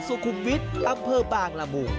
สุขุมวิทย์อำเภอบางละมุง